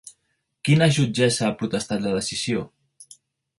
Quina jutgessa ha protestat la decisió?